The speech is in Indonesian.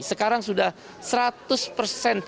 sekarang sudah seratus persen